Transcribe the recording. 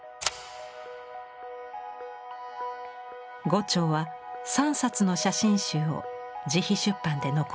牛腸は３冊の写真集を自費出版で残した。